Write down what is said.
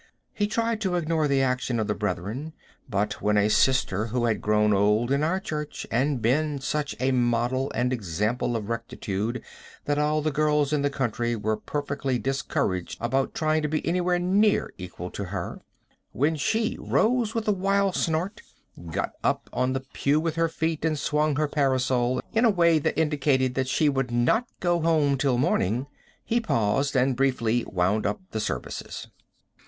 He tried to ignore the action of the brethren, but when a sister who has grown old in our church, and been such a model and example of rectitude that all the girls in the county were perfectly discouraged about trying to be anywhere near equal to her; when she rose with a wild snort, got up on the pew with her feet, and swung her parasol in a way that indicated that she would not go home till morning, he paused and briefly wound up the services.